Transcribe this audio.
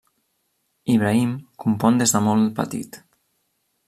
Ibrahim compon des de molt petit.